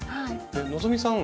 希さん